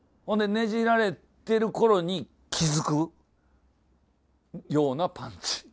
ほんでねじられてる頃に気付くようなパンチ。